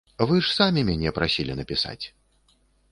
Вы ж самі мяне прасілі напісаць?